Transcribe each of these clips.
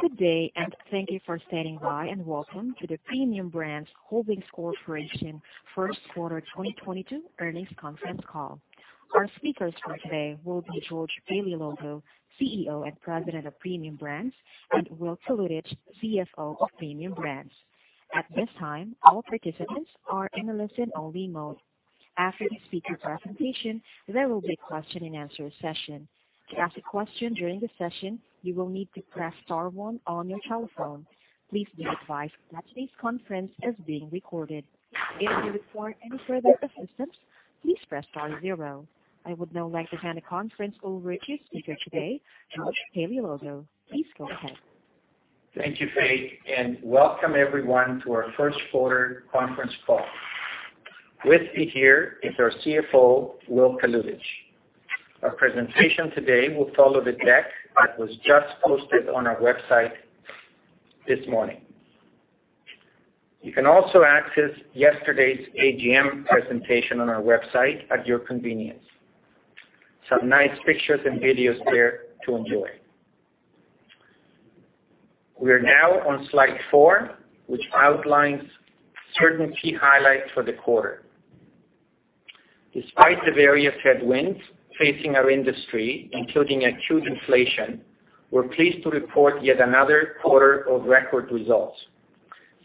Good day, and thank you for standing by, and welcome to the Premium Brands Holdings Corporation first quarter 2022 earnings conference call. Our speakers for today will be George Paleologou, CEO and President of Premium Brands, and Will Kalutycz, CFO of Premium Brands. At this time, all participants are in a listen-only mode. After the speaker presentation, there will be a question-and-answer session. To ask a question during the session, you will need to press star one on your telephone. Please be advised that today's conference is being recorded. If you require any further assistance, please press star zero. I would now like to hand the conference over to the speaker today, George Paleologou. Please go ahead. Thank you, Faith, and welcome everyone to our first quarter conference call. With me here is our CFO, Will Kalutycz. Our presentation today will follow the deck that was just posted on our website this morning. You can also access yesterday's AGM presentation on our website at your convenience. Some nice pictures and videos there to enjoy. We are now on slide four, which outlines certain key highlights for the quarter. Despite the various headwinds facing our industry, including acute inflation, we're pleased to report yet another quarter of record results.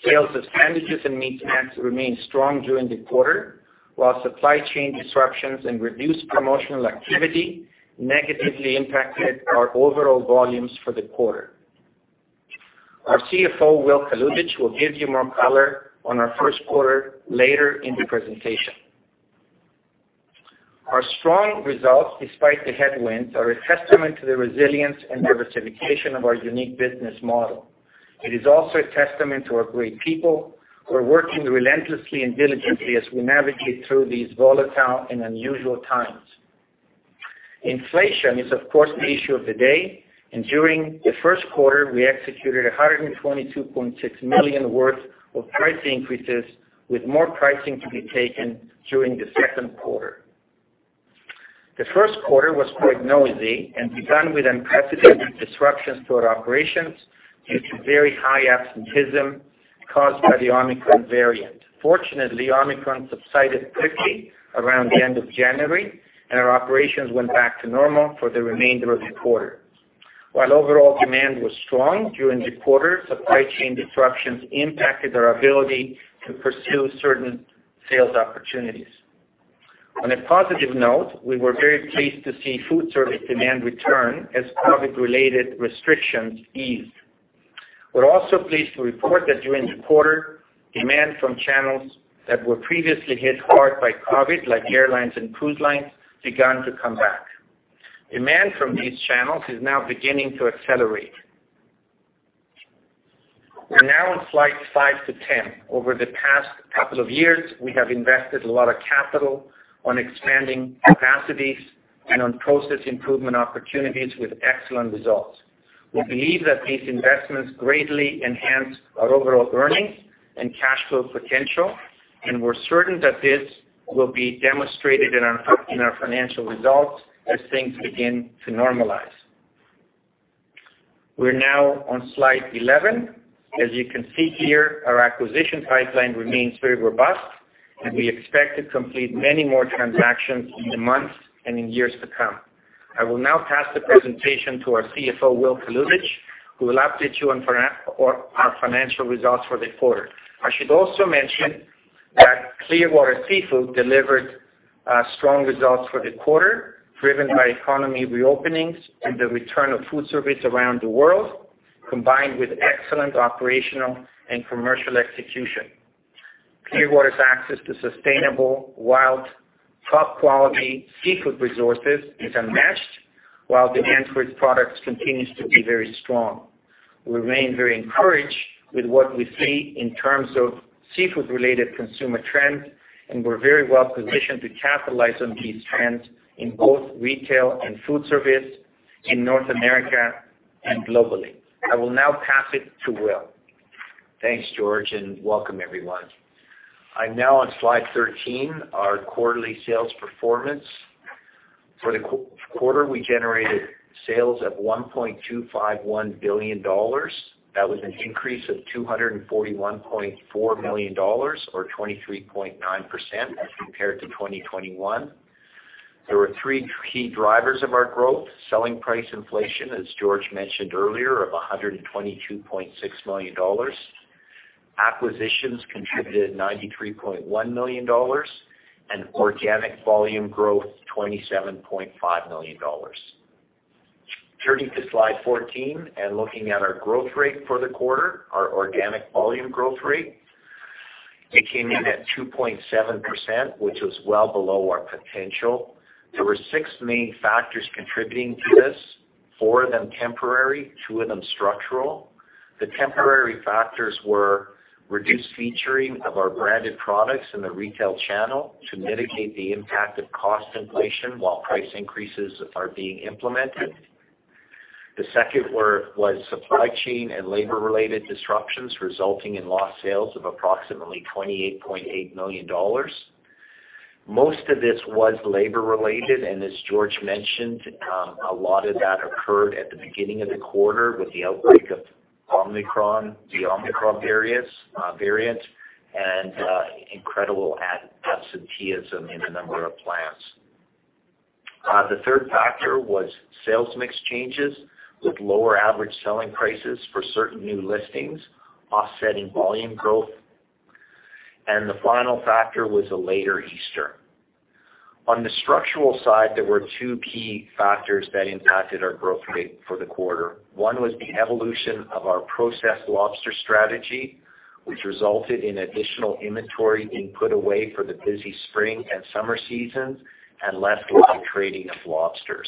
Sales of sandwiches and meat snacks remained strong during the quarter, while supply chain disruptions and reduced promotional activity negatively impacted our overall volumes for the quarter. Our CFO, Will Kalutycz, will give you more color on our first quarter later in the presentation. Our strong results despite the headwinds are a testament to the resilience and diversification of our unique business model. It is also a testament to our great people who are working relentlessly and diligently as we navigate through these volatile and unusual times. Inflation is, of course, the issue of the day. During the first quarter, we executed 122.6 million worth of price increases, with more pricing to be taken during the second quarter. The first quarter was quite noisy and begun with unprecedented disruptions to our operations due to very high absenteeism caused by the Omicron variant. Fortunately, Omicron subsided quickly around the end of January, and our operations went back to normal for the remainder of the quarter. While overall demand was strong during the quarter, supply chain disruptions impacted our ability to pursue certain sales opportunities. On a positive note, we were very pleased to see food service demand return as COVID-related restrictions eased. We're also pleased to report that during the quarter, demand from channels that were previously hit hard by COVID, like airlines and cruise lines, begun to come back. Demand from these channels is now beginning to accelerate. We're now on slides five to 10. Over the past couple of years, we have invested a lot of capital on expanding capacities and on process improvement opportunities with excellent results. We believe that these investments greatly enhance our overall earnings and cash flow potential, and we're certain that this will be demonstrated in our financial results as things begin to normalize. We're now on slide 11. As you can see here, our acquisition pipeline remains very robust, and we expect to complete many more transactions in the months and in years to come. I will now pass the presentation to our CFO, Will Kalutycz, who will update you on our financial results for the quarter. I should also mention that Clearwater Seafoods delivered strong results for the quarter, driven by economic reopenings and the return of food service around the world, combined with excellent operational and commercial execution. Clearwater's access to sustainable, wild, top-quality seafood resources is unmatched, while demand for its products continues to be very strong. We remain very encouraged with what we see in terms of seafood-related consumer trends, and we're very well positioned to capitalize on these trends in both retail and food service in North America and globally. I will now pass it to Will. Thanks, George, and welcome everyone. I'm now on slide 13, our quarterly sales performance. For the quarter, we generated sales of 1.251 billion dollars. That was an increase of 241.4 million dollars or 23.9% as compared to 2021. There were three key drivers of our growth. Selling price inflation, as George mentioned earlier, of 122.6 million dollars. Acquisitions contributed 93.1 million dollars, and organic volume growth, 27.5 million dollars. Turning to slide 14 and looking at our growth rate for the quarter, our organic volume growth rate, it came in at 2.7%, which was well below our potential. There were six main factors contributing to this, four of them temporary, two of them structural. The temporary factors were reduced featuring of our branded products in the retail channel to mitigate the impact of cost inflation while price increases are being implemented. The second was supply chain and labor-related disruptions resulting in lost sales of approximately 28.8 million dollars. Most of this was labor related, and as George mentioned, a lot of that occurred at the beginning of the quarter with the outbreak of Omicron, the Omicron variant, and incredible absenteeism in a number of plants. The third factor was sales mix changes with lower average selling prices for certain new listings offsetting volume growth. The final factor was a later Easter. On the structural side, there were two key factors that impacted our growth rate for the quarter. One was the evolution of our processed lobster strategy, which resulted in additional inventory being put away for the busy spring and summer seasons and less retrading of lobsters.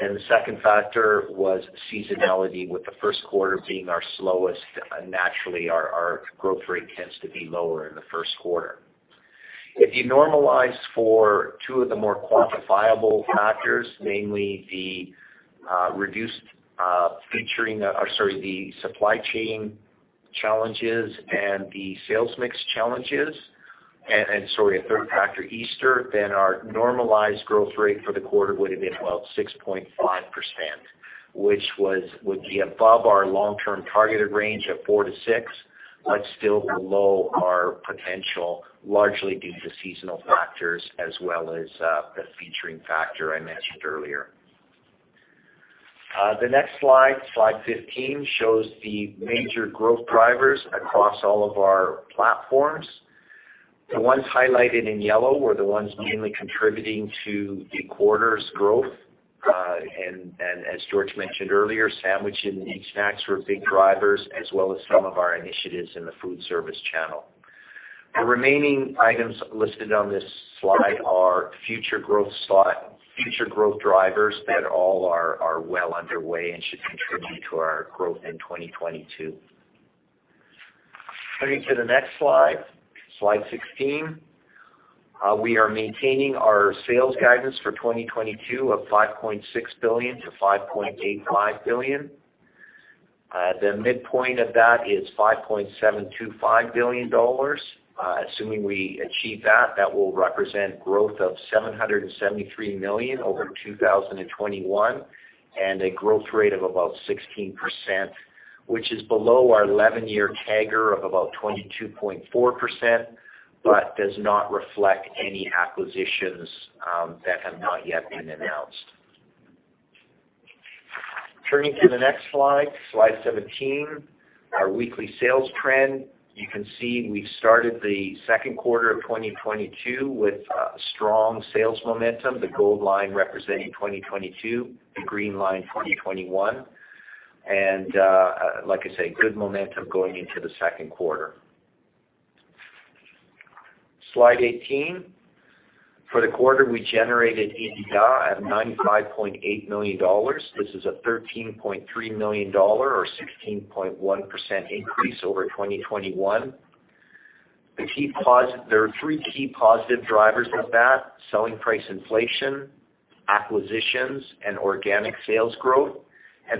The second factor was seasonality, with the first quarter being our slowest, naturally our growth rate tends to be lower in the first quarter. If you normalize for two of the more quantifiable factors, mainly the supply chain challenges and the sales mix challenges and a third factor, Easter, then our normalized growth rate for the quarter would have been about 6.5%, which would be above our long-term targeted range of 4%-6%, but still below our potential, largely due to seasonal factors as well as the featuring factor I mentioned earlier. The next slide 15, shows the major growth drivers across all of our platforms. The ones highlighted in yellow were the ones mainly contributing to the quarter's growth. As George mentioned earlier, sandwich and snack were big drivers, as well as some of our initiatives in the food service channel. The remaining items listed on this slide are future growth drivers that are well underway and should contribute to our growth in 2022. Turning to the next slide 16, we are maintaining our sales guidance for 2022 of 5.6 billion-5.85 billion. The midpoint of that is 5.725 billion dollars. Assuming we achieve that will represent growth of 773 million over 2021 and a growth rate of about 16%, which is below our 11-year CAGR of about 22.4%, but does not reflect any acquisitions that have not yet been announced. Turning to the next slide 17, our weekly sales trend. You can see we started the second quarter of 2022 with strong sales momentum, the gold line representing 2022, the green line 2021. Like I say, good momentum going into the second quarter. Slide 18. For the quarter we generated EBITDA at CAD 95.8 million. This is a CAD 13.3 million or 16.1% increase over 2021. There are three key positive drivers of that: selling price inflation, acquisitions, and organic sales growth.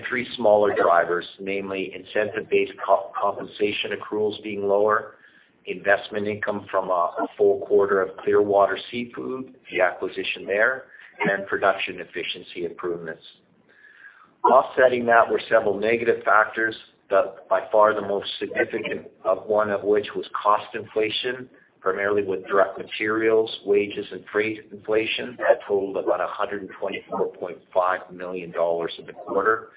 Three smaller drivers, namely incentive-based compensation accruals being lower, investment income from a full quarter of Clearwater Seafoods, the acquisition there, and production efficiency improvements. Offsetting that were several negative factors, by far the most significant of which was cost inflation, primarily with direct materials, wages and freight inflation totaled about 124.5 million dollars in the quarter.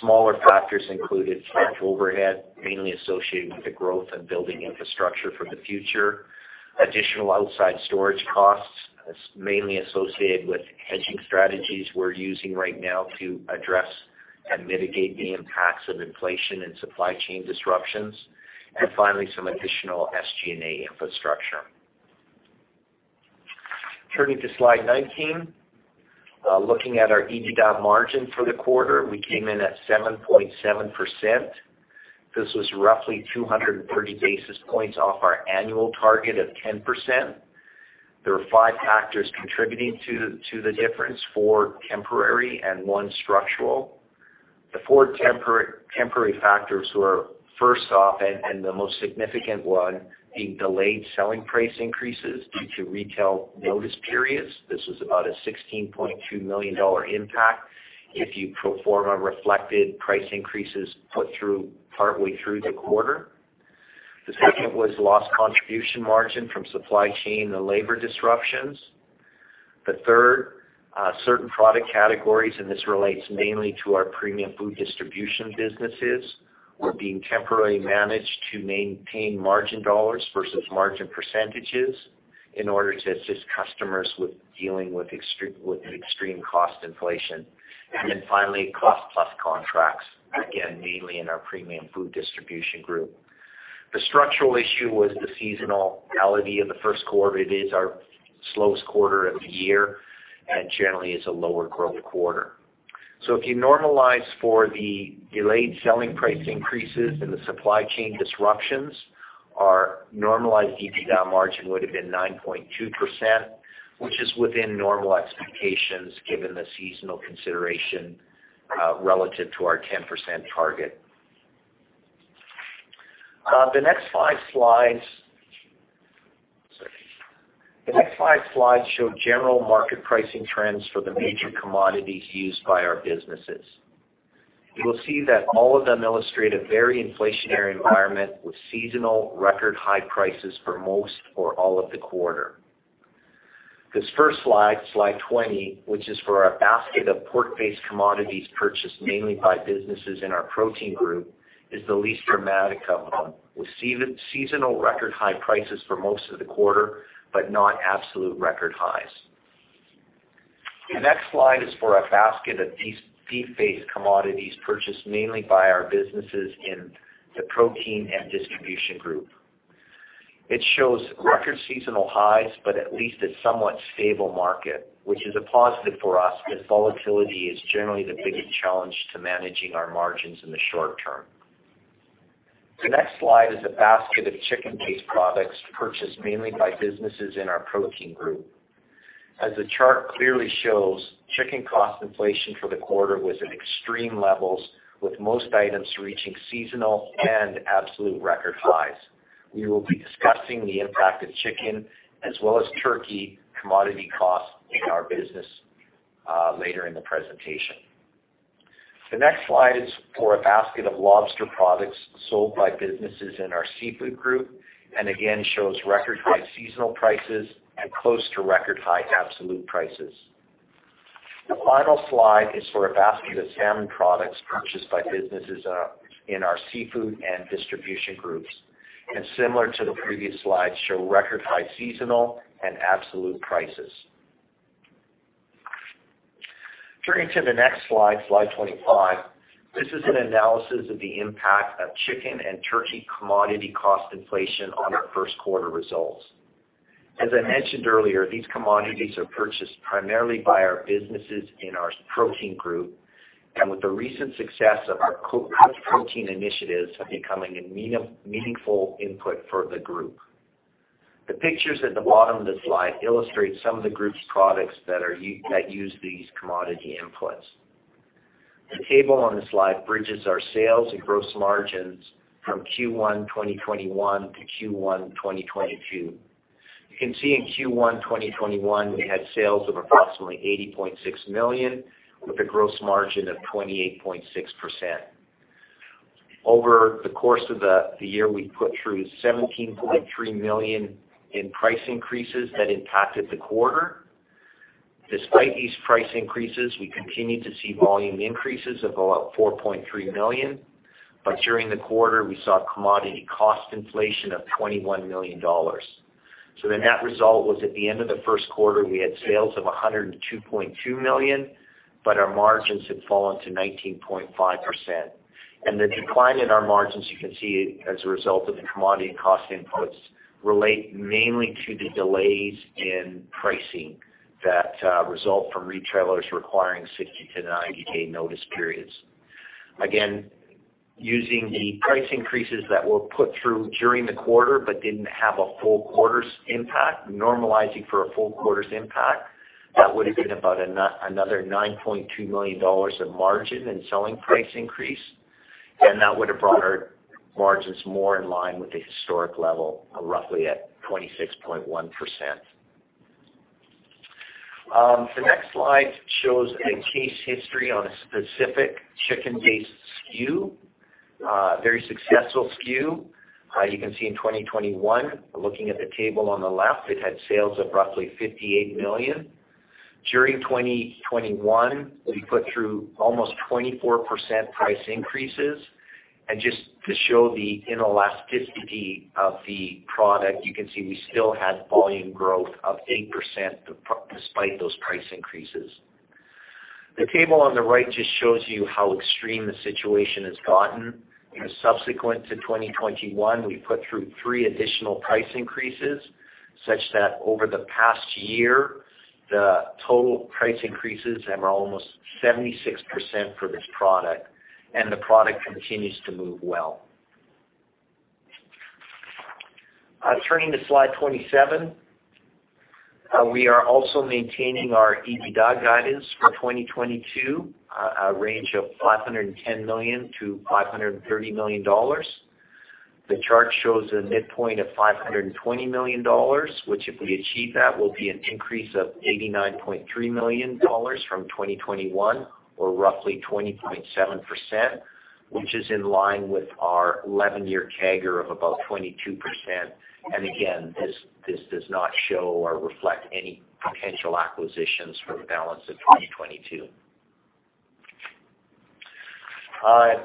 Smaller factors included overhead, mainly associated with the growth and building infrastructure for the future, additional outside storage costs, mainly associated with hedging strategies we're using right now to address and mitigate the impacts of inflation and supply chain disruptions. Finally, some additional SG&A infrastructure. Turning to slide 19, looking at our EBITDA margin for the quarter, we came in at 7.7%. This was roughly 230 basis points off our annual target of 10%. There were five factors contributing to the difference, four temporary and one structural. The four temporary factors were, first off, the most significant one, being delayed selling price increases due to retail notice periods. This was about a 16.2 million dollar impact if you reflect the price increases put through partly through the quarter. The second was lost contribution margin from supply chain and labor disruptions. The third, certain product categories, and this relates mainly to our Premium Food Distribution businesses, were being temporarily managed to maintain margin dollars versus margin percentages in order to assist customers with dealing with extreme cost inflation. Finally, cost-plus contracts, again, mainly in our Premium Food Distribution group. The structural issue was the seasonality of the first quarter. It is our slowest quarter of the year and generally is a lower growth quarter. If you normalize for the delayed selling price increases and the supply chain disruptions, our normalized EBITDA margin would have been 9.2%, which is within normal expectations, given the seasonal consideration, relative to our 10% target. The next five slides show general market pricing trends for the major commodities used by our businesses. You will see that all of them illustrate a very inflationary environment with seasonal record high prices for most or all of the quarter. This first slide 20, which is for our basket of pork-based commodities purchased mainly by businesses in our protein group, is the least dramatic of them, with seasonal record high prices for most of the quarter, but not absolute record highs. The next slide is for a basket of these beef-based commodities purchased mainly by our businesses in the protein group and distribution group. It shows record seasonal highs, but at least a somewhat stable market, which is a positive for us, as volatility is generally the biggest challenge to managing our margins in the short term. The next slide is a basket of chicken-based products purchased mainly by businesses in our protein group. As the chart clearly shows, chicken cost inflation for the quarter was at extreme levels, with most items reaching seasonal and absolute record highs. We will be discussing the impact of chicken as well as turkey commodity costs in our business, later in the presentation. The next slide is for a basket of lobster products sold by businesses in our seafood group, and again shows record high seasonal prices and close to record high absolute prices. The final slide is for a basket of salmon products purchased by businesses, in our seafood and distribution groups, and similar to the previous slides, show record high seasonal and absolute prices. Turning to the next slide 25, this is an analysis of the impact of chicken and turkey commodity cost inflation on our first quarter results. As I mentioned earlier, these commodities are purchased primarily by our businesses in our protein group, and with the recent success of our co-protein initiatives are becoming a meaningful input for the group. The pictures at the bottom of the slide illustrate some of the group's products that use these commodity inputs. The table on this slide bridges our sales and gross margins from Q1 2021-Q1 2022. You can see in Q1 2021, we had sales of approximately 80.6 million, with a gross margin of 28.6%. Over the course of the year, we put through 17.3 million in price increases that impacted the quarter. Despite these price increases, we continued to see volume increases of about 4.3 million. During the quarter, we saw commodity cost inflation of 21 million dollars. The net result was, at the end of the first quarter, we had sales of 102.2 million, but our margins had fallen to 19.5%. The decline in our margins, you can see as a result of the commodity and cost inputs relate mainly to the delays in pricing that result from retailers requiring 60- to 90-day notice periods. Again, using the price increases that were put through during the quarter but didn't have a full quarter's impact, normalizing for a full quarter's impact, that would have been about another 9.2 million dollars of margin and selling price increase, and that would have brought our margins more in line with the historic level, roughly at 26.1%. The next slide shows a case history on a specific chicken-based SKU, a very successful SKU. You can see in 2021, looking at the table on the left, it had sales of roughly 58 million. During 2021, we put through almost 24% price increases. To show the inelasticity of the product, you can see we still had volume growth of 8% despite those price increases. The table on the right just shows you how extreme the situation has gotten. Subsequent to 2021, we put through three additional price increases, such that over the past year, the total price increases are almost 76% for this product, and the product continues to move well. Turning to slide 27, we are also maintaining our EBITDA guidance for 2022, a range of 510 million-530 million dollars. The chart shows a midpoint of 520 million dollars, which if we achieve that, will be an increase of 89.3 million dollars from 2021 or roughly 20.7%, which is in line with our 11-year CAGR of about 22%. This does not show or reflect any potential acquisitions for the balance of 2022.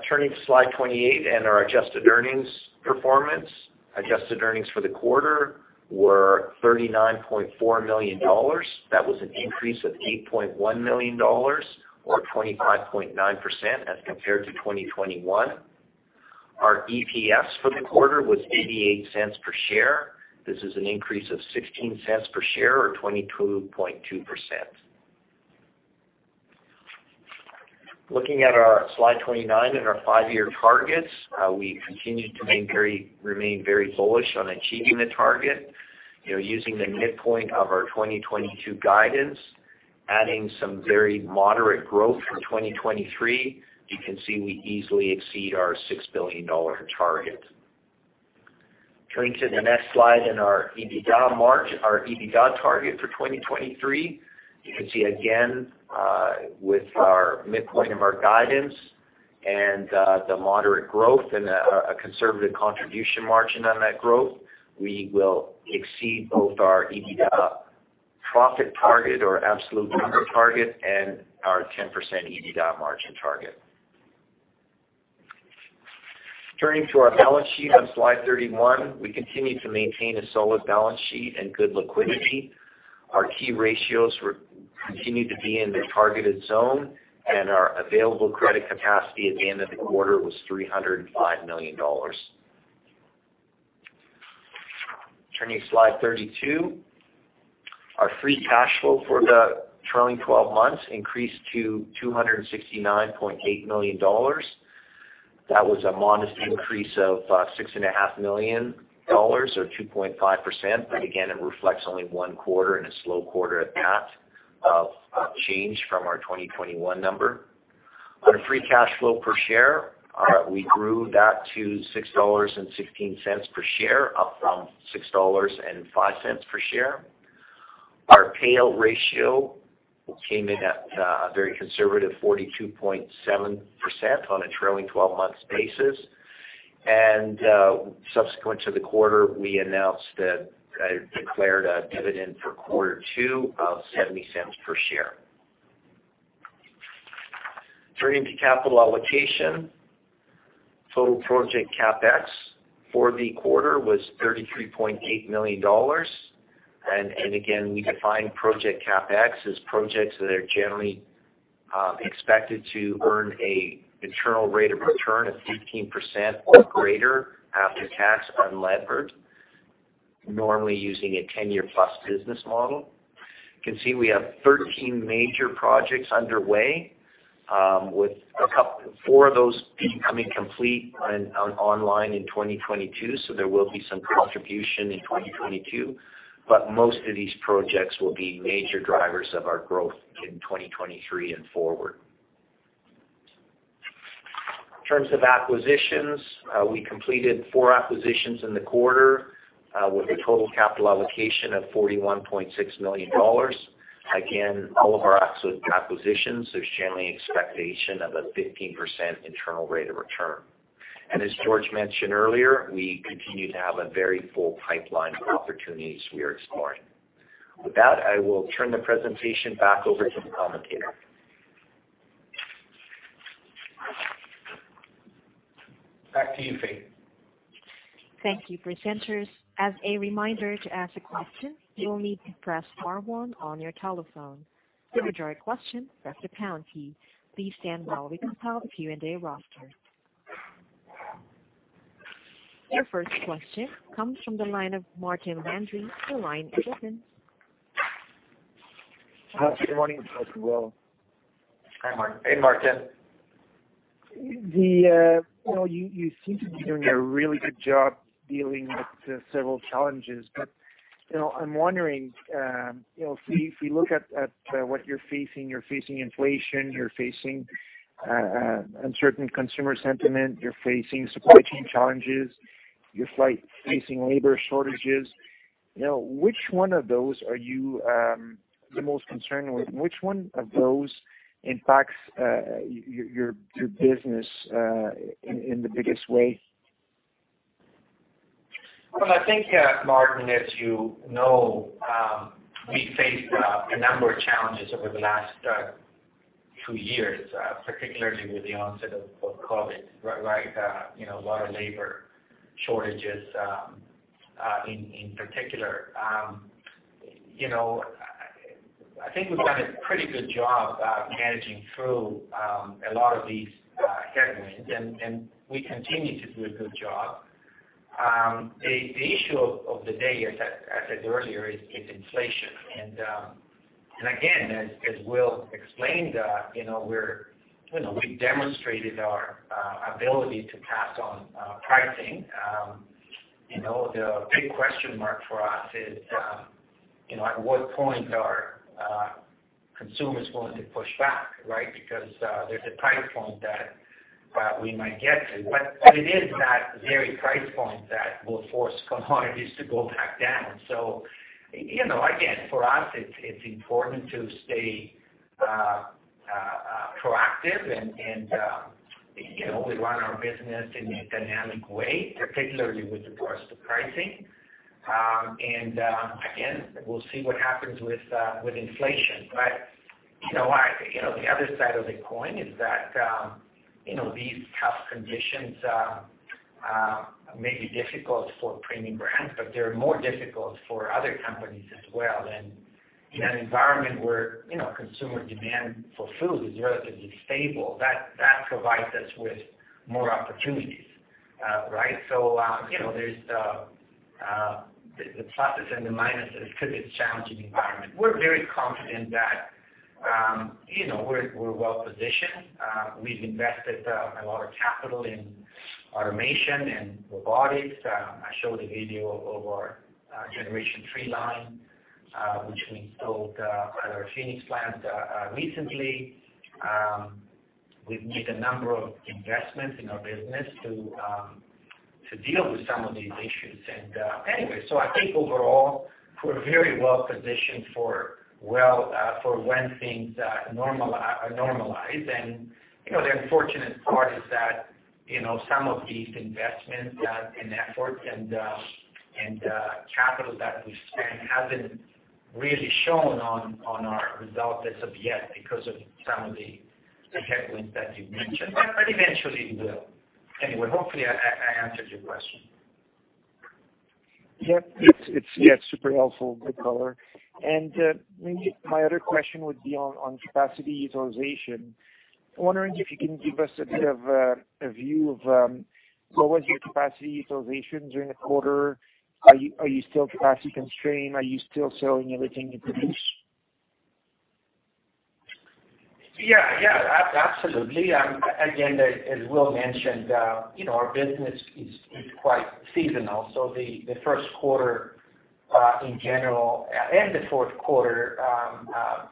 Turning to slide 28 and our adjusted earnings performance. Adjusted earnings for the quarter were 39.4 million dollars. That was an increase of 8.1 million dollars or 25.9% as compared to 2021. Our EPS for the quarter was 0.88 per share. This is an increase of 0.16 per share or 22.2%. Looking at our slide 29 and our five-year targets, we continue to remain very bullish on achieving the target. You know, using the midpoint of our 2022 guidance. Adding some very moderate growth for 2023, you can see we easily exceed our 6 billion dollar target. Turning to the next slide in our EBITDA margin, our EBITDA target for 2023. You can see again, with our midpoint of our guidance and the moderate growth and a conservative contribution margin on that growth, we will exceed both our EBITDA profit target or absolute number target and our 10% EBITDA margin target. Turning to our balance sheet on slide 31, we continue to maintain a solid balance sheet and good liquidity. Our key ratios continue to be in the targeted zone, and our available credit capacity at the end of the quarter was 305 million dollars. Turning to slide 32. Our free cash flow for the trailing 12 months increased to 269.8 million dollars. That was a modest increase of 6.5 million dollars or 2.5%. Again, it reflects only one quarter, and a slow quarter at that, of change from our 2021 number. On a free cash flow per share, we grew that to 6.16 dollars per share, up from 6.05 dollars per share. Our payout ratio came in at a very conservative 42.7% on a trailing 12 months basis. Subsequent to the quarter, we declared a dividend for quarter two of 0.70 per share. Turning to capital allocation. Total project CapEx for the quarter was 33.8 million dollars. Again, we define project CapEx as projects that are generally expected to earn an internal rate of return of 15% or greater after tax, unlevered, normally using a 10+ year business model. You can see we have 13 major projects underway, with four of those becoming complete and online in 2022, so there will be some contribution in 2022. Most of these projects will be major drivers of our growth in 2023 and forward. In terms of acquisitions, we completed four acquisitions in the quarter, with a total capital allocation of 41.6 million dollars. Again, all of our acquisitions, there's generally expectation of a 15% internal rate of return. As George mentioned earlier, we continue to have a very full pipeline of opportunities we are exploring. With that, I will turn the presentation back over to the commentator. Back to you, Faith. Thank you, presenters. As a reminder, to ask a question, you will need to press star one on your telephone. To withdraw your question, press the pound key. Please stand by while we compile the Q&A roster. Your first question comes from the line of Martin Landry. Your line is open. Good morning George and Will? Hi, Martin. Hey, Martin. You know, you seem to be doing a really good job dealing with several challenges. You know, I'm wondering, you know, if we look at what you're facing, you're facing inflation, you're facing uncertain consumer sentiment, you're facing supply chain challenges, you're facing labor shortages. You know, which one of those are you the most concerned with? Which one of those impacts your business in the biggest way? Well, I think, Martin, as you know, we faced a number of challenges over the last two years, particularly with the onset of COVID, right? You know, a lot of labor shortages, in particular. You know, I think we've done a pretty good job managing through a lot of these headwinds, and we continue to do a good job. The issue of the day, as I said earlier, is inflation. Again, as Will explained, you know, we demonstrated our ability to pass on pricing. You know, the big question mark for us is, you know, at what point are consumers going to push back, right? Because there's a price point that we might get to, but it is that very price point that will force commodities to go back down. You know, again, for us, it's important to stay proactive and, you know, we run our business in a dynamic way, particularly with regards to pricing. Again, we'll see what happens with inflation. You know, you know, the other side of the coin is that, you know, these tough conditions may be difficult for Premium Brands, but they're more difficult for other companies as well. In an environment where, you know, consumer demand for food is relatively stable, that provides us with more opportunities, right? You know, there's the pluses and the minuses because it's a challenging environment. We're very confident that you know, we're well positioned. We've invested a lot of capital in automation and robotics. I showed a video of our Generation 3 line, which we installed at our Phoenix plant recently. We've made a number of investments in our business to deal with some of these issues. Anyway, I think overall, we're very well positioned for, well, when things normalize. You know, the unfortunate part is that you know, some of these investments and effort and capital that we've spent hasn't really shown on our results as of yet because of some of the headwinds that you mentioned. But eventually will. Anyway, hopefully I answered your question. Yep. It's yeah, super helpful. Good color. Maybe my other question would be on capacity utilization. I'm wondering if you can give us a bit of a view of what was your capacity utilization during the quarter? Are you still capacity constrained? Are you still selling everything you produce? Absolutely. Again, as Will mentioned, you know, our business is quite seasonal. The first quarter, in general, and the fourth quarter,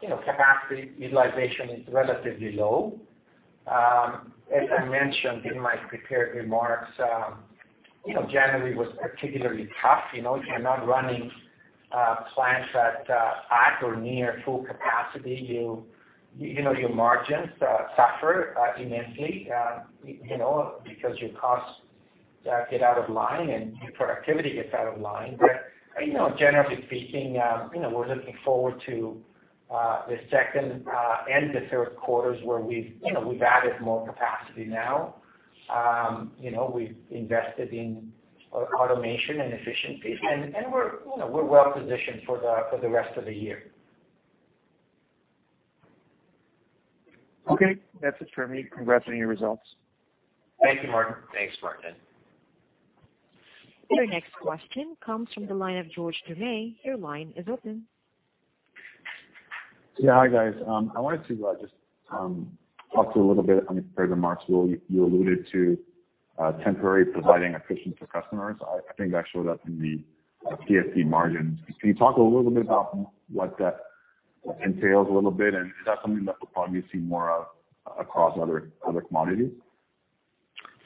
you know, capacity utilization is relatively low. As I mentioned in my prepared remarks, you know, January was particularly tough. You know, if you're not running plants at or near full capacity, you know, your margins suffer immensely, you know, because your costs get out of line and your productivity gets out of line. Generally speaking, you know, we're looking forward to the second and the third quarters where we've added more capacity now. You know, we've invested in automation and efficiency and we're well positioned for the rest of the year. Okay. That's it for me. Congrats on your results. Thank you, Martin. Thanks, Martin. Your next question comes from the line of George Doumet. Your line is open. Yeah. Hi, guys. I wanted to just talk to you a little bit on the prepared remarks. Will, you alluded to temporarily providing a cushion to customers. I think that showed up in the PFD margin. Can you talk a little bit about what that entails a little bit, and is that something that we'll probably see more of across other commodities?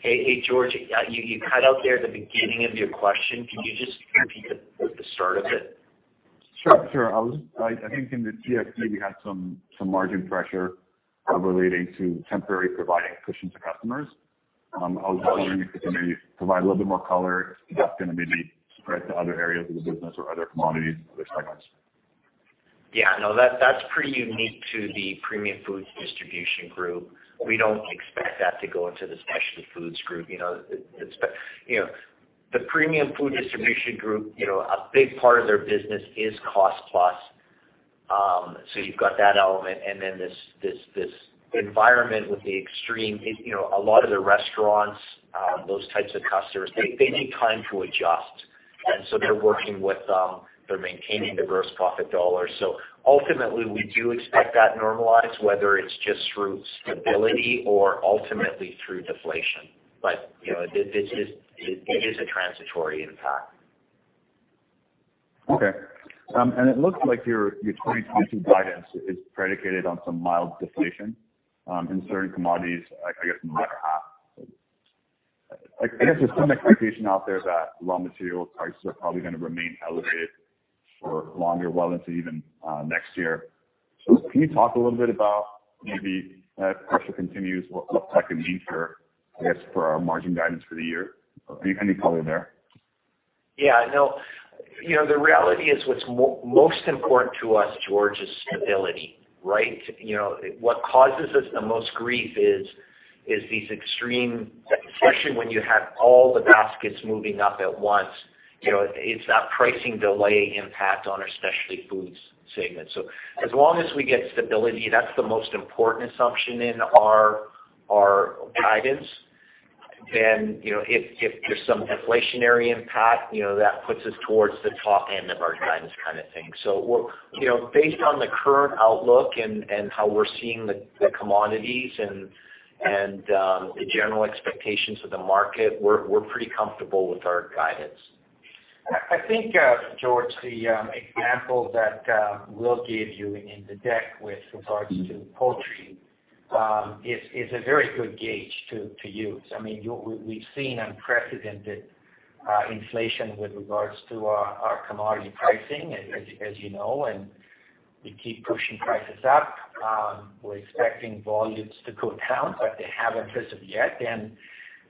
Hey, hey, George, you cut out there at the beginning of your question. Can you just repeat the start of it? Sure. Sure. I think in the PFD we had some margin pressure relating to temporarily providing cushion to customers. I was wondering if you can maybe provide a little bit more color if that's gonna be spread to other areas of the business or other commodities, other segments. Yeah. No. That's pretty unique to the Premium Food Distribution group. We don't expect that to go into the specialty foods group. You know, it's. You know, the Premium Food Distribution group, you know, a big part of their business is cost plus. So you've got that element and then this environment with the extreme, you know, a lot of the restaurants, those types of customers, they need time to adjust. They're working with, they're maintaining gross profit dollars. Ultimately we do expect that normalize, whether it's just through stability or ultimately through deflation. You know, it is a transitory impact. Okay. And it looks like your 2022 guidance is predicated on some mild deflation in certain commodities, like, I guess in the latter half. Like, I guess there's some expectation out there that raw material prices are probably gonna remain elevated for longer, well into even next year. Can you talk a little bit about maybe if that pressure continues, what that could mean for, I guess, for our margin guidance for the year? Any color there? Yeah. No. You know, the reality is what's most important to us, George, is stability, right? You know, what causes us the most grief is these extreme, especially when you have all the baskets moving up at once, you know, it's that pricing delay impact on our specialty foods segment. So as long as we get stability, that's the most important assumption in our guidance. Then, you know, if there's some inflationary impact, you know, that puts us towards the top end of our guidance kind of thing. So we're you know, based on the current outlook and how we're seeing the commodities and the general expectations of the market, we're pretty comfortable with our guidance. I think, George, the example that Will gave you in the deck with regards to poultry is a very good gauge to use. I mean, we've seen unprecedented inflation with regards to our commodity pricing as you know, and we keep pushing prices up. We're expecting volumes to go down, but they haven't as of yet, and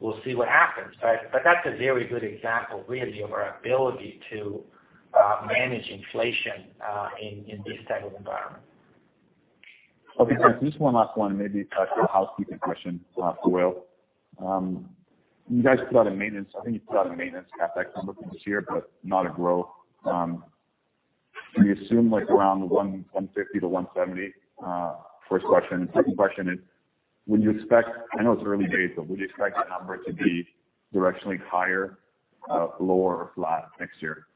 we'll see what happens. That's a very good example really of our ability to manage inflation in this type of environment. Okay. Just one last one, maybe a housekeeping question for Will. You guys put out a maintenance CapEx number for this year, but not a growth. Can you assume like around 150-170? First question. Second question is, I know it's early days, but would you expect that number to be directionally higher, lower or flat next year?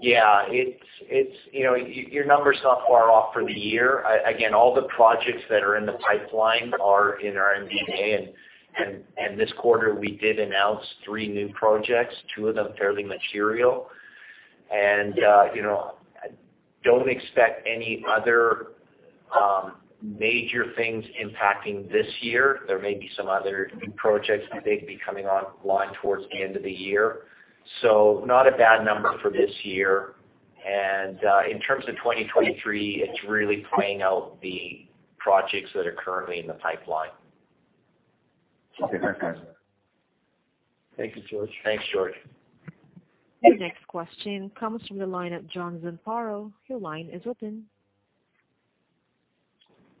Yeah. It's, you know, your number's not far off for the year. Again, all the projects that are in the pipeline are in our MD&A. This quarter we did announce three new projects, two of them fairly material. You know, don't expect any other major things impacting this year. There may be some other new projects that may be coming online towards the end of the year. Not a bad number for this year. In terms of 2023, it's really playing out the projects that are currently in the pipeline. Okay. Thanks, guys. Thank you, George. Thanks, George. Your next question comes from the line of John Zamparo. Your line is open.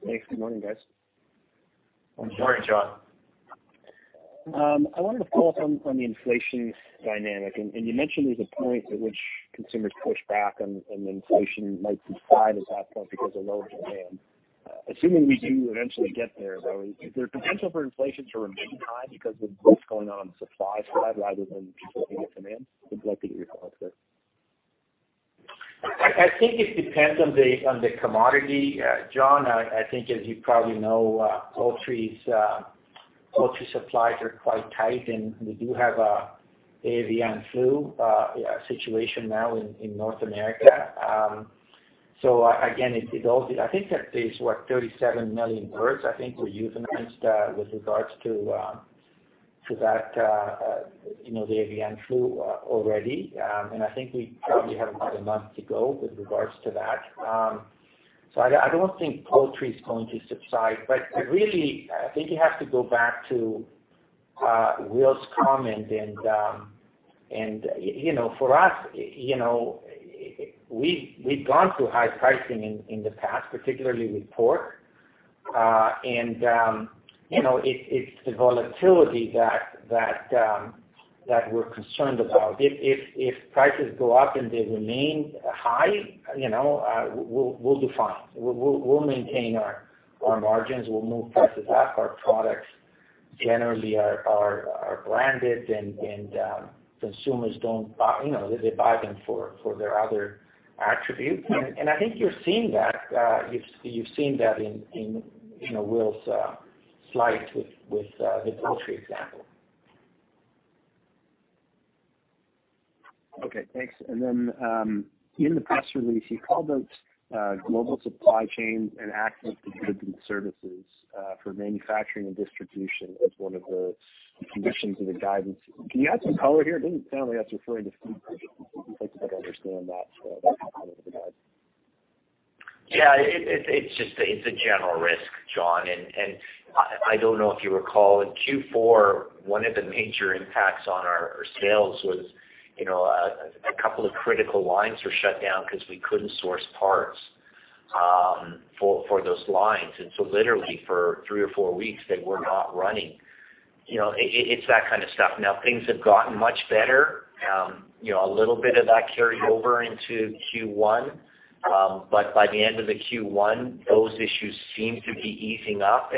Thanks. Good morning, guys. Good morning, John. I wanted to follow up on the inflation dynamic. You mentioned there's a point at which consumers push back on the inflation might subside at that point because of lower demand. Assuming we do eventually get there, though, is there potential for inflation to remain high because of growth going on supply side rather than people being able to demand? I'd like to get your thoughts there. I think it depends on the commodity, John. I think as you probably know, poultry supplies are quite tight, and we do have an avian flu situation now in North America. I think that there's 37 million birds I think were euthanized with regards to that, you know, the avian flu already. I think we probably have about a month to go with regards to that. I don't think poultry is going to subside. Really, I think you have to go back to Will's comment and, you know, for us, you know, we've gone through high pricing in the past, particularly with pork. It's the volatility that we're concerned about. If prices go up and they remain high, you know, we'll do fine. We'll maintain our margins. We'll move prices up. Our products generally are branded and consumers don't buy. You know, they buy them for their other attributes. I think you're seeing that. You've seen that in Will's slides with the poultry example. Okay, thanks. In the press release, you called out global supply chains and access to different services for manufacturing and distribution as one of the conditions of the guidance. Can you add some color here? It didn't sound like I was referring to food, but I'd like to better understand that component of the guide. It's just a general risk, John. I don't know if you recall, in Q4, one of the major impacts on our sales was, you know, a couple of critical lines were shut down because we couldn't source parts for those lines. Literally for three or four weeks they were not running. You know, it's that kind of stuff. Now, things have gotten much better. You know, a little bit of that carried over into Q1. But by the end of the Q1, those issues seem to be easing up.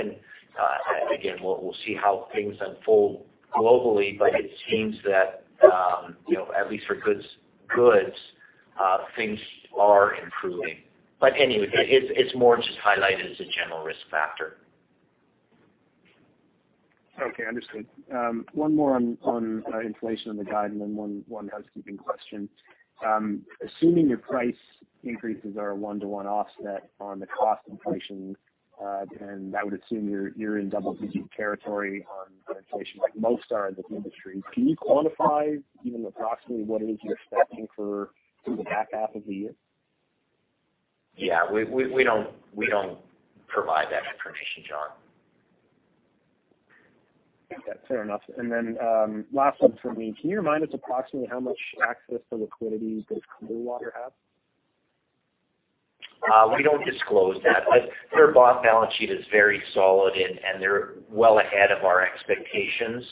Again, we'll see how things unfold globally, but it seems that, you know, at least for goods, things are improving. Anyway, it's more just highlighted as a general risk factor. Okay, understood. One more on inflation and the guide and then one housekeeping question. Assuming your price increases are a one-to-one offset on the cost inflation, then I would assume you're in double-digit territory on inflation like most are in the industry. Can you quantify even approximately what it is you're expecting for through the back half of the year? Yeah. We don't provide that information, John. Okay, fair enough. Last one for me. Can you remind us approximately how much access to liquidity does Clearwater have? We don't disclose that. Their balance sheet is very solid and they're well ahead of our expectations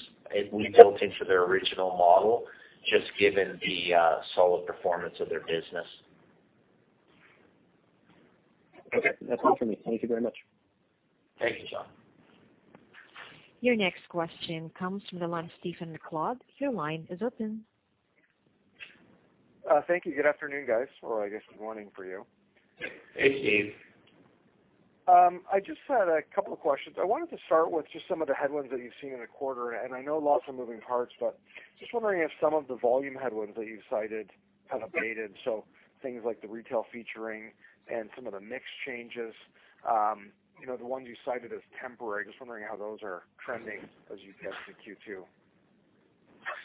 we built into their original model, just given the solid performance of their business. Okay, that's all for me. Thank you very much. Thank you, John. Your next question comes from the line of Stephen MacLeod. Your line is open. Thank you. Good afternoon, guys, or I guess good morning for you. Hey, Steve. I just had a couple of questions. I wanted to start with just some of the headwinds that you've seen in the quarter. I know lots of moving parts, but just wondering if some of the volume headwinds that you've cited have abated, so things like the retail featuring and some of the mix changes, you know, the ones you cited as temporary, just wondering how those are trending as you get to Q2.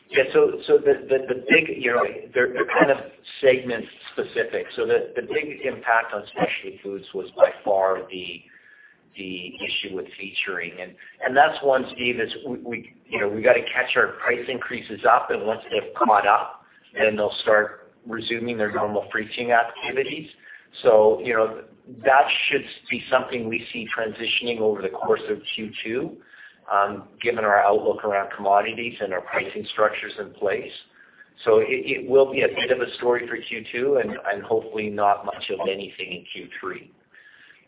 Yeah. The big, you know, they're kind of segment specific. The big impact on specialty foods was by far the issue with featuring. That's one, Steve, is we, you know, we got to catch our price increases up, and once they've caught up, then they'll start resuming their normal featuring activities. You know, that should be something we see transitioning over the course of Q2, given our outlook around commodities and our pricing structures in place. It will be a bit of a story for Q2 and hopefully not much of anything in Q3.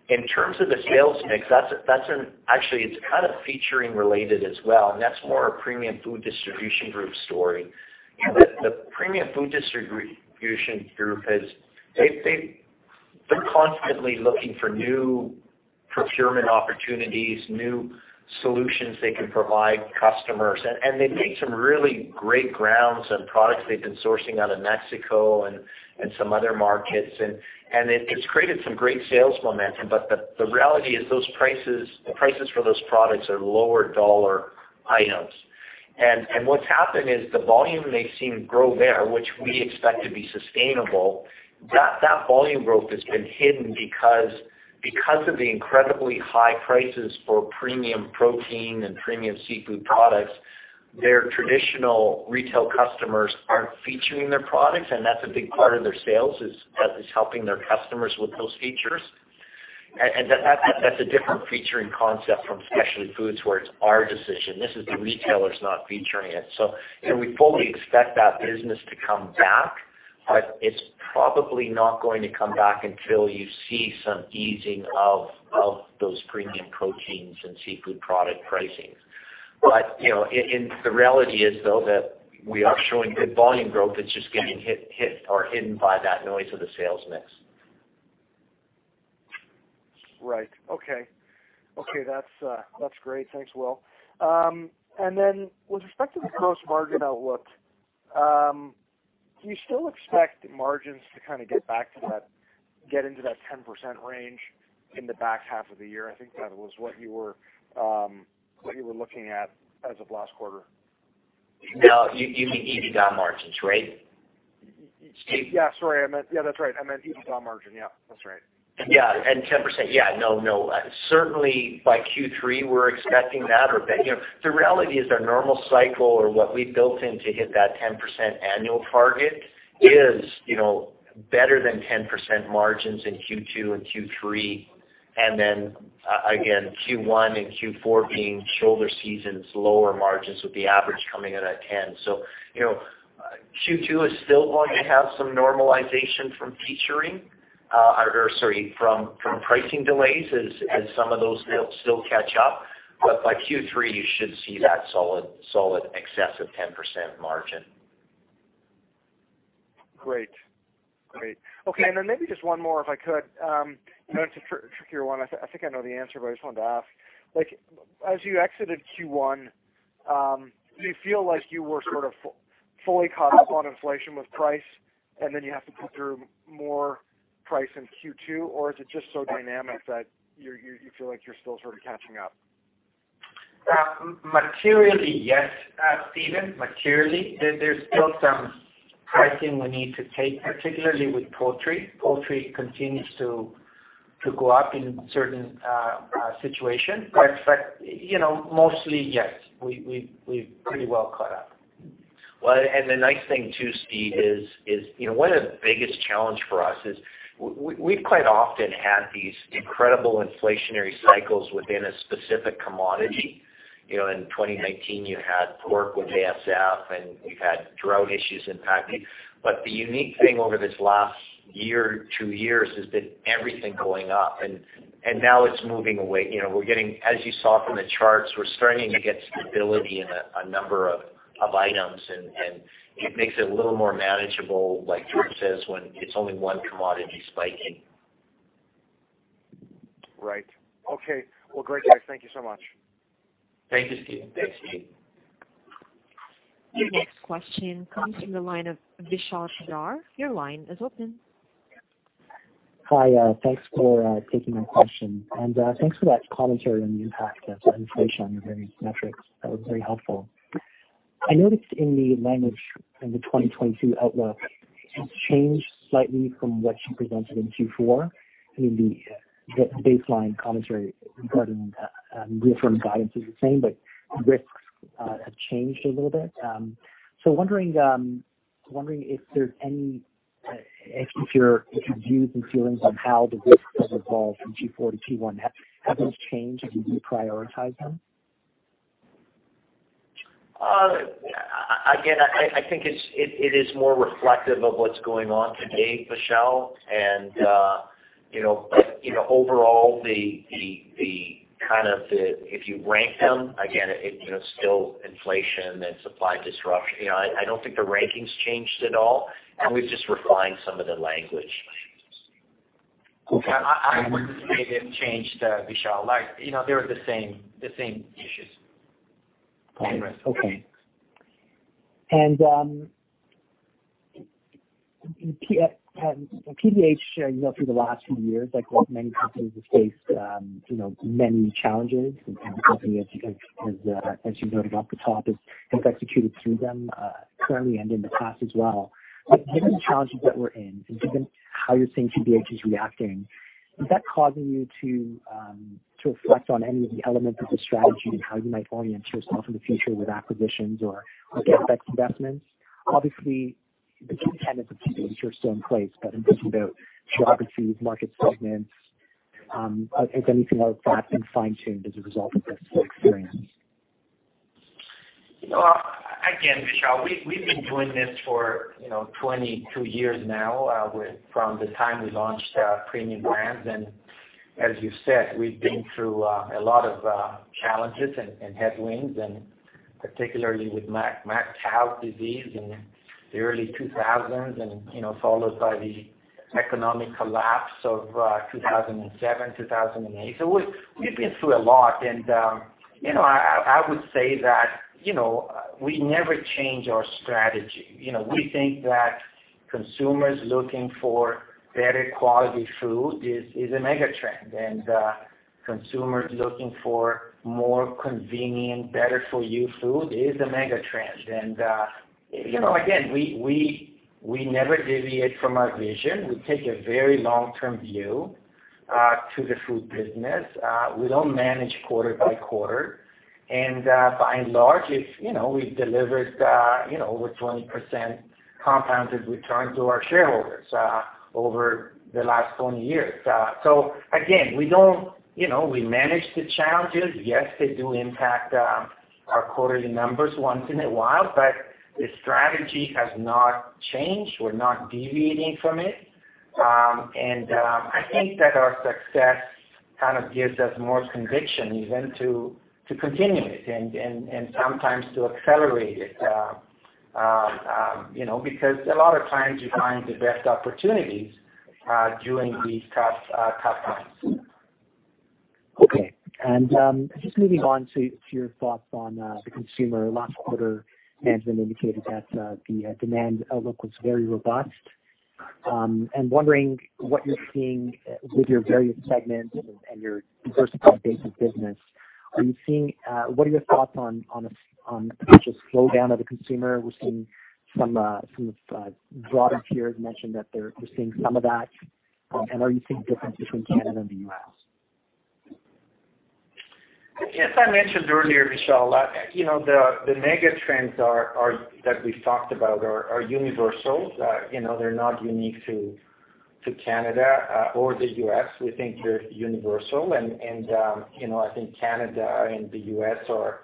In terms of the sales mix, that's actually featuring related as well, and that's more a Premium Food Distribution group story. The Premium Food Distribution group has. They're constantly looking for new procurement opportunities, new solutions they can provide customers, and they've made some really great gains on products they've been sourcing out of Mexico and some other markets. It's created some great sales momentum. The reality is those prices for those products are lower-dollar items. What's happened is the volume they've seen grow there, which we expect to be sustainable, that volume growth has been hidden because of the incredibly high prices for premium protein and premium seafood products. Their traditional retail customers aren't featuring their products, and that's a big part of their sales, helping their customers with those features. That's a different featuring concept from specialty foods where it's our decision. This is the retailers not featuring it. You know, we fully expect that business to come back, but it's probably not going to come back until you see some easing of those premium proteins and seafood product pricings. You know, and the reality is though that we are showing good volume growth that's just getting hit or hidden by that noise of the sales mix. Right. Okay. That's great. Thanks, Will. With respect to the gross margin outlook, do you still expect margins to kind of get into that 10% range in the back half of the year? I think that was what you were looking at as of last quarter. Now, you mean EBITDA margins, right? Yes, sorry. Yeah, that's right. I meant EBITDA margin. Yeah, that's right. Yeah. 10%. Yeah. No. Certainly, by Q3 we're expecting that. You know, the reality is our normal cycle or what we've built in to hit that 10% annual target is, you know, better than 10% margins in Q2 and Q3, and then again, Q1 and Q4 being shoulder seasons, lower margins with the average coming in at 10%. Q2 is still going to have some normalization from pricing delays as some of those deals still catch up. By Q3, you should see that solid excess of 10% margin. Great. Okay. Then maybe just one more, if I could. I know it's a trickier one. I think I know the answer, but I just wanted to ask. Like, as you exited Q1, do you feel like you were sort of fully caught up on inflation with price, and then you have to put through more price in Q2? Or is it just so dynamic that you feel like you're still sort of catching up? Materially, yes, Stephen, materially. There's still some pricing we need to take, particularly with poultry. Poultry continues to go up in certain situations. But you know, mostly, yes, we've pretty well caught up. Well, the nice thing too, Steve, is, you know, one of the biggest challenge for us is we've quite often had these incredible inflationary cycles within a specific commodity. You know, in 2019, you had pork with ASF, and we've had drought issues impact beef. The unique thing over this last year, two years has been everything going up, and now it's moving away. You know, we're getting, as you saw from the charts, we're starting to get stability in a number of items and it makes it a little more manageable, like George says, when it's only one commodity spiking. Right. Okay. Well, great, guys. Thank you so much. Thank you, Stephen. Thanks, Steve. Your next question comes from the line of Vishal Shreedhar. Your line is open. Hi. Thanks for taking my question, and thanks for that commentary on the impact of the inflation on your various metrics. That was very helpful. I noticed in the language in the 2022 outlook, it's changed slightly from what you presented in Q4. I mean, the baseline commentary regarding reaffirming guidance is the same, but risks have changed a little bit. So wondering if there's any, if your views and feelings on how the risks have evolved from Q4 to Q1, have those changed as you reprioritize them? Again, I think it is more reflective of what's going on today, Vishal. You know, but you know, overall, if you rank them, again, you know, still inflation and supply disruption. You know, I don't think the rankings changed at all, and we've just refined some of the language. Okay. I wouldn't say they've changed, Vishal. Like, you know, they're the same issues and risks. Okay. PBH, you know, through the last few years, like many companies have faced, you know, many challenges. The company has, as you noted off the top, executed through them, currently and in the past as well. Given the challenges that we're in and given how you're seeing PBH is reacting, is that causing you to reflect on any of the elements of the strategy and how you might orient yourself in the future with acquisitions or CapEx investments? Obviously, the key tenets of PBH are still in place, but in terms of the geographies, market segments, has anything like that been fine-tuned as a result of this experience? You know, again, Vishal, we've been doing this for, you know, 22 years now, with from the time we launched Premium Brands. As you said, we've been through a lot of challenges and headwinds, and particularly with mad cow disease in the early 2000s and, you know, followed by the economic collapse of 2007, 2008. We've been through a lot and, you know, I would say that, you know, we never change our strategy. You know, we think that consumers looking for better quality food is a mega trend. Consumers looking for more convenient, better for you food is a mega trend. You know, again, we never deviate from our vision. We take a very long-term view to the food business. We don't manage quarter by quarter. By and large, it's, you know, we've delivered, you know, over 20% compounded return to our shareholders, over the last 20 years. Again, you know, we manage the challenges. Yes, they do impact our quarterly numbers once in a while, but the strategy has not changed. We're not deviating from it. I think that our success kind of gives us more conviction even to continue it and sometimes to accelerate it, you know, because a lot of times you find the best opportunities during these tough times. Just moving on to your thoughts on the consumer. Last quarter, management indicated that the demand outlook was very robust. Wondering what you're seeing with your various segments and your diversified base of business. What are your thoughts on a potential slowdown of the consumer? We're seeing some broader peers mention that they're seeing some of that. Are you seeing differences between Canada and the U.S.? As I mentioned earlier, Vishal, you know, the mega trends that we've talked about are universal. You know, they're not unique to Canada or the U.S. We think they're universal and you know, I think Canada and the U.S. are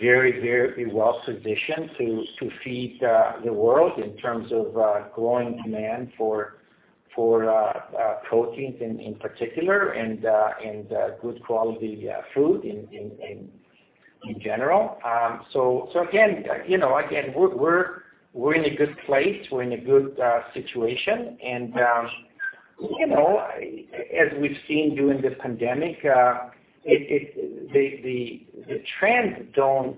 very well positioned to feed the world in terms of growing demand for proteins in particular and good quality food in general. So again, you know, we're in a good place. We're in a good situation. You know, as we've seen during this pandemic, the trends don't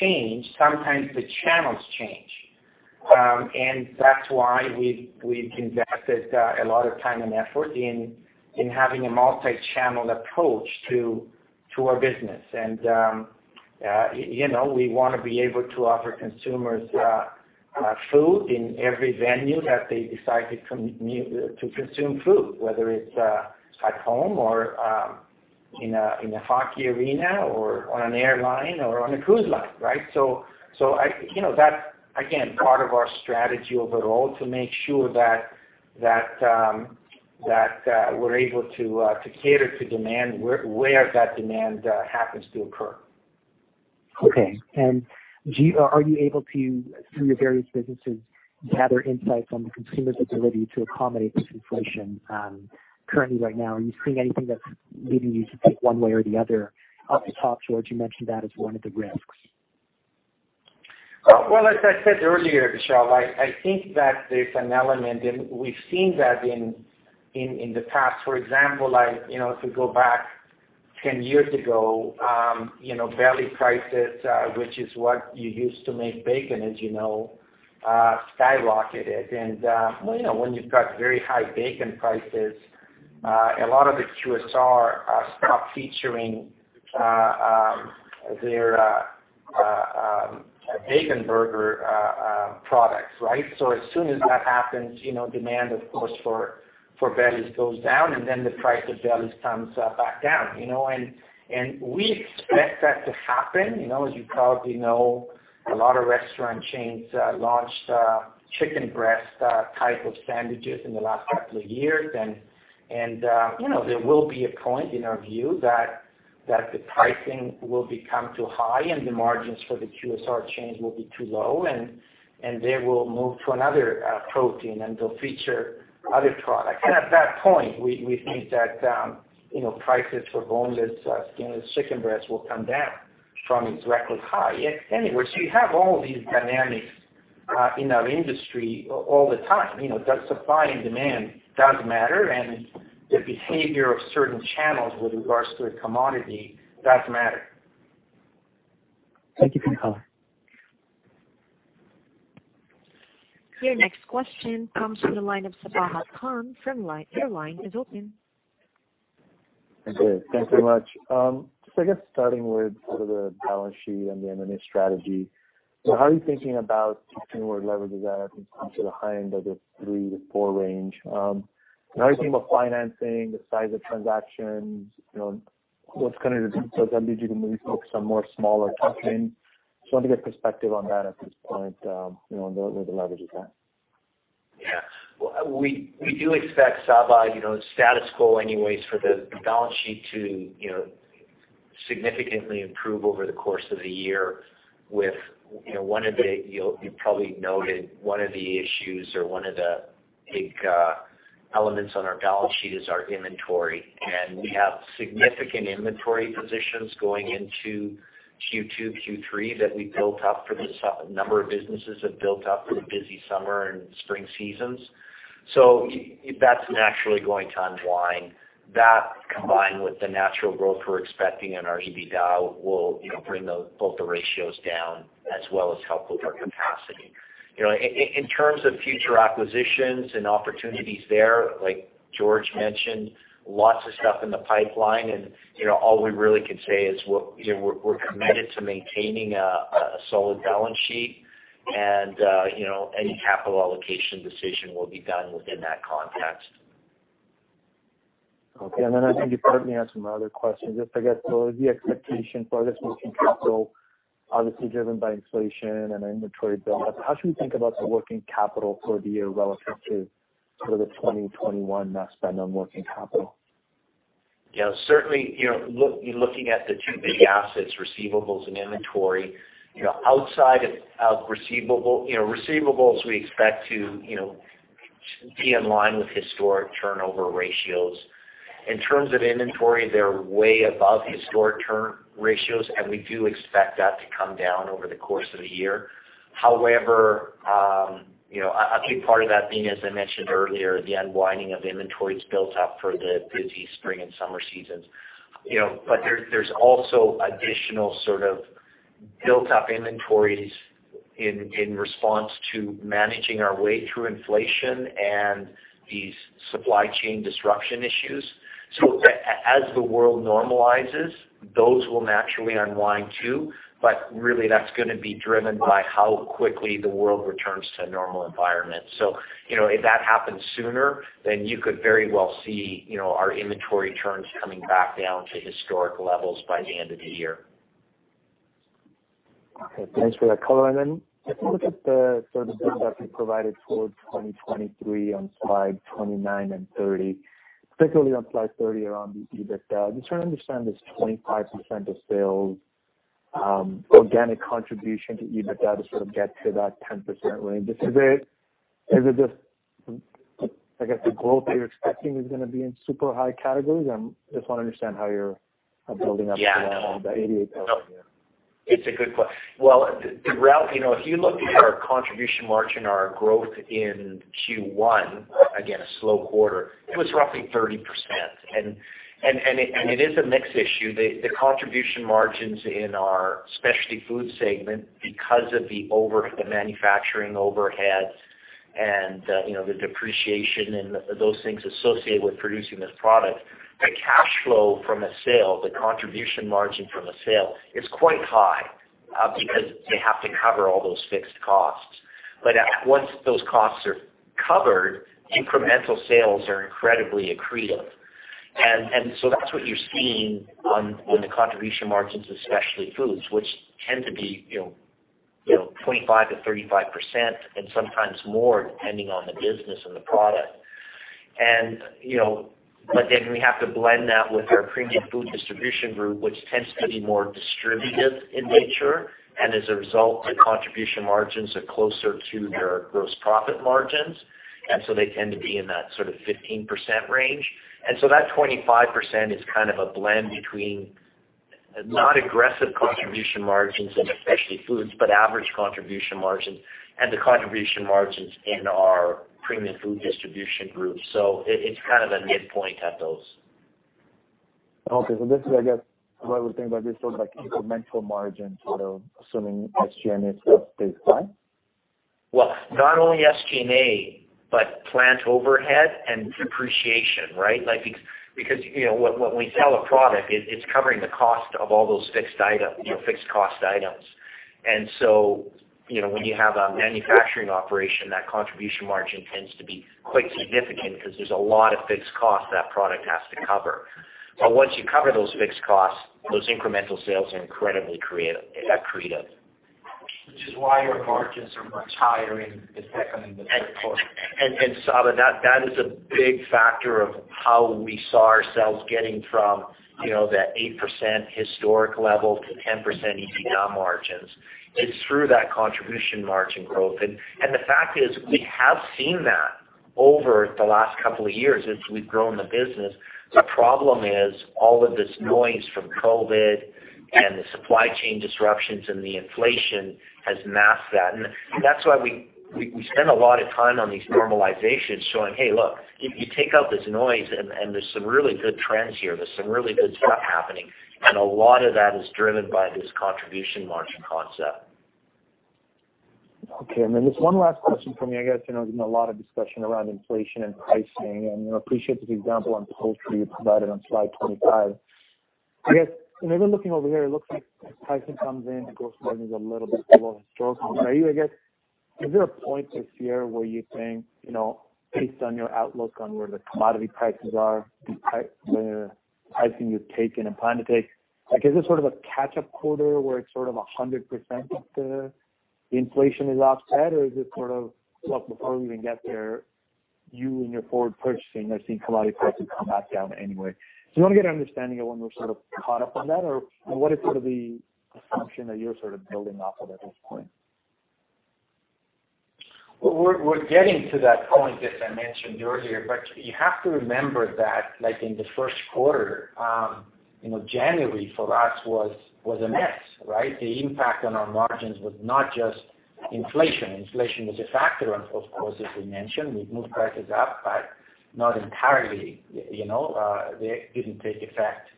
change. Sometimes the channels change. That's why we've invested a lot of time and effort in having a multi-channel approach to our business. You know, we wanna be able to offer consumers food in every venue that they decide to consume food, whether it's at home or in a hockey arena or on an airline or on a cruise line, right? You know, that's again part of our strategy overall to make sure that we're able to cater to demand where that demand happens to occur. Okay. Are you able to, through your various businesses, gather insights on the consumer's ability to accommodate this inflation, currently right now? Are you seeing anything that's leading you to think one way or the other? Off the top, George, you mentioned that as one of the risks. Well, as I said earlier, Vishal, I think that there's an element, and we've seen that in the past. For example, like, you know, if we go back 10 years ago, you know, belly prices, which is what you use to make bacon, as you know, skyrocketed. Well, you know, when you've got very high bacon prices, a lot of the QSR stop featuring their bacon burger products, right? As soon as that happens, you know, demand of course for bellies goes down and then the price of bellies comes back down, you know? We expect that to happen. You know, as you probably know, a lot of restaurant chains launched chicken breast type of sandwiches in the last couple of years. You know, there will be a point in our view that the pricing will become too high and the margins for the QSR chains will be too low and they will move to another protein and they'll feature other products. At that point, we think that you know, prices for boneless skinless chicken breast will come down from its record high. Anyway, you have all these dynamics in our industry all the time. You know, the supply and demand does matter, and the behavior of certain channels with regards to a commodity does matter. Thank you for the color. Your next question comes from the line of Sabahat Khan. Your line is open. Thanks so much. I guess starting with sort of the balance sheet and the M&A strategy. How are you thinking about continuing where leverage is at, I think sort of high end of the three to four range? How are you thinking about financing, the size of transactions? You know, what's kind of the difference? Does that lead you to maybe focus on more smaller tuck-ins? Just wanted to get perspective on that at this point, you know, where the leverage is at. Yeah. We do expect, Sabahat, you know, status quo anyways for the balance sheet to, you know, significantly improve over the course of the year with, you know, you probably noted one of the issues or one of the big elements on our balance sheet is our inventory. We have significant inventory positions going into Q2, Q3 that we built up for this number of businesses have built up for the busy summer and spring seasons. That's naturally going to unwind. That combined with the natural growth we're expecting in our EBITDA will, you know, bring both the ratios down as well as help with our capacity. You know, in terms of future acquisitions and opportunities there, like George mentioned, lots of stuff in the pipeline and, you know, all we really can say is we're, you know, committed to maintaining a solid balance sheet, and, you know, any capital allocation decision will be done within that context. Okay. I think you partly answered my other question. Just, I guess, so the expectation for, I guess, working capital, obviously driven by inflation and inventory build up, how should we think about the working capital for the year relative to sort of the 2021 spend on working capital? Yeah, certainly, you know, looking at the two big assets, receivables and inventory, you know, outside of receivables, you know, receivables we expect to, you know, be in line with historic turnover ratios. In terms of inventory, they're way above historic turnover ratios, and we do expect that to come down over the course of the year. However, you know, a big part of that being, as I mentioned earlier, the unwinding of inventories built up for the busy spring and summer seasons. You know, but there's also additional sort of built up inventories in response to managing our way through inflation and these supply chain disruption issues. As the world normalizes, those will naturally unwind too, but really that's gonna be driven by how quickly the world returns to a normal environment. you know, if that happens sooner, then you could very well see, you know, our inventory turns coming back down to historic levels by the end of the year. Okay. Thanks for that color. Then if you look at the sort of build up you provided for 2023 on slide 29 and 30, particularly on slide 30 around the EBITDA, I'm just trying to understand this 25% of sales, organic contribution to EBITDA to sort of get to that 10% range. Is it just, I guess, the growth that you're expecting is gonna be in super high categories? I just wanna understand how you're building up to that 88% there. Well, the real, you know, if you look at our contribution margin, our growth in Q1, again, a slow quarter, it was roughly 30%. It is a mix issue. The contribution margins in our specialty foods segment, because of the manufacturing overheads and, you know, the depreciation and those things associated with producing this product, the cash flow from a sale, the contribution margin from a sale is quite high, because they have to cover all those fixed costs. Once those costs are covered, incremental sales are incredibly accretive. That's what you're seeing in the contribution margins of specialty foods, which tend to be, you know, 25%-35% and sometimes more depending on the business and the product. You know, but then we have to blend that with our Premium Food Distribution group, which tends to be more distributive in nature. As a result, the contribution margins are closer to their gross profit margins, and so they tend to be in that sort of 15% range. That 25% is kind of a blend between not aggressive contribution margins in specialty foods, but average contribution margins and the contribution margins in our Premium Food Distribution group. It's kind of a midpoint at those. Okay. This is, I guess, why we're thinking about this sort of like incremental margin sort of assuming SG&A stays flat. Well, not only SG&A, but plant overhead and depreciation, right? Like, because, you know, when we sell a product, it's covering the cost of all those fixed item, you know, fixed cost items. You know, when you have a manufacturing operation, that contribution margin tends to be quite significant because there's a lot of fixed costs that product has to cover. Once you cover those fixed costs, those incremental sales are incredibly accretive. Which is why your margins are much higher in the second and the third quarter. Sabahat, that is a big factor of how we saw ourselves getting from, you know, that 8% historic level to 10% EBITDA margins. It's through that contribution margin growth. The fact is we have seen that over the last couple of years as we've grown the business. The problem is all of this noise from COVID and the supply chain disruptions and the inflation has masked that. That's why we spend a lot of time on these normalizations showing, "Hey, look, if you take out this noise and there's some really good trends here, there's some really good stuff happening," and a lot of that is driven by this contribution margin concept. Okay. Just one last question from me. I guess, you know, there's been a lot of discussion around inflation and pricing, and I appreciate the example on poultry you provided on slide 25. I guess, you know, when looking over here, it looks like as pricing comes in, the gross margin is a little bit below historical. Is there a point this year where you think, you know, based on your outlook on where the commodity prices are, the pricing you've taken and plan to take, like, is this sort of a catch-up quarter where it's sort of 100% of the inflation is offset? Or is it sort of, well, before we even get there, you in your forward purchasing are seeing commodity prices come back down anyway. I wanna get an understanding of when we're sort of caught up on that or what is sort of the assumption that you're sort of building off of at this point? We're getting to that point, as I mentioned earlier. You have to remember that like in the first quarter, you know, January for us was a mess, right? The impact on our margins was not just inflation. Inflation was a factor of course, as we mentioned. We've moved prices up, but not entirely, you know. They didn't take effect.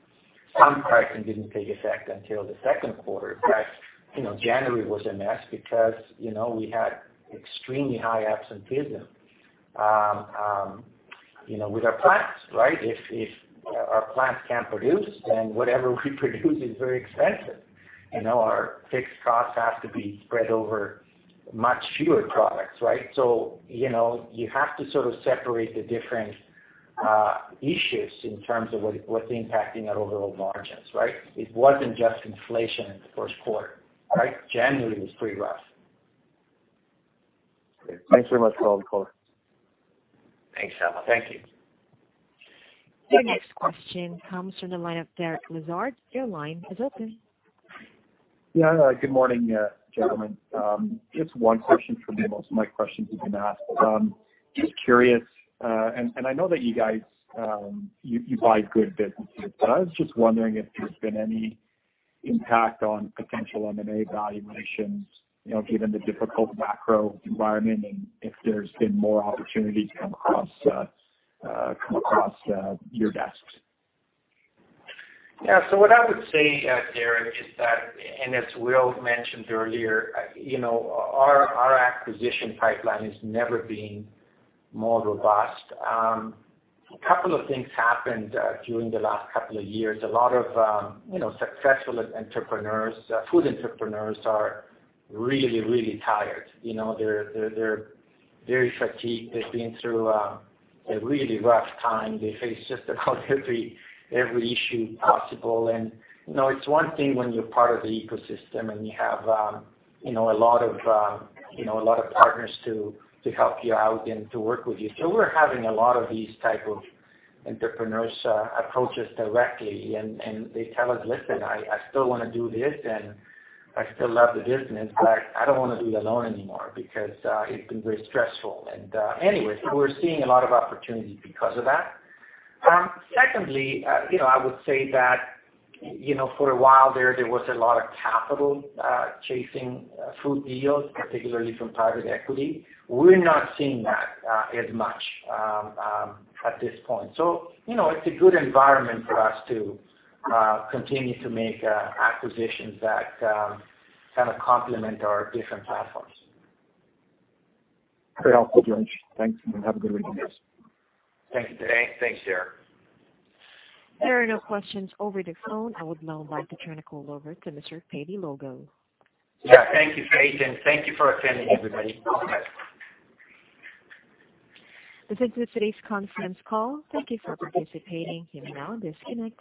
Some pricing didn't take effect until the second quarter, right? You know, January was a mess because, you know, we had extremely high absenteeism, you know, with our plants, right? If our plants can't produce, then whatever we produce is very expensive. You know, our fixed costs have to be spread over much fewer products, right? You know, you have to sort of separate the different issues in terms of what's impacting our overall margins, right? It wasn't just inflation in the first quarter, right? January was pretty rough. Thanks very much for all the color. Thanks, Sabahat. Thank you. The next question comes from the line of Derek Lessard. Your line is open. Yeah. Good morning, gentlemen. Just one question from me. Most of my questions have been asked. Just curious, and I know that you guys buy good businesses. I was just wondering if there's been any impact on potential M&A valuations, you know, given the difficult macro environment and if there's been more opportunities come across your desks. Yeah. What I would say, Derek, is that, and as Will mentioned earlier, you know, our acquisition pipeline has never been more robust. A couple of things happened during the last couple of years. A lot of you know, successful entrepreneurs, food entrepreneurs are really, really tired. You know, they're very fatigued. They've been through a really rough time. They face just about every issue possible. You know, it's one thing when you're part of the ecosystem and you have, you know, a lot of, you know, a lot of partners to help you out and to work with you. We're having a lot of these type of entrepreneurs approach us directly and they tell us, "Listen, I still wanna do this, and I still love the business, but I don't wanna do it alone anymore because it's been very stressful." Anyways, we're seeing a lot of opportunities because of that. Secondly, you know, I would say that you know, for a while there was a lot of capital chasing food deals, particularly from private equity. We're not seeing that as much at this point. You know, it's a good environment for us to continue to make acquisitions that kinda complement our different platforms. Very helpful, George. Thanks, and have a good week. Thanks. Thanks, Derek. There are no questions over the phone. I would now like to turn the call over to Mr. Paleologou. Yeah. Thank you, Faith, and thank you for attending everybody. Bye-bye. This ends today's conference call. Thank you for participating. You may now disconnect.